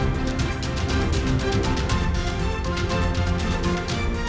terima kasih banyak mas ravan mada